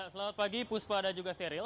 selamat pagi puspa ada juga serius